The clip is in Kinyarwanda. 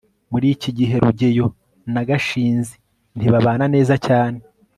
muri iki gihe rugeyo na gashinzi ntibabana neza cyane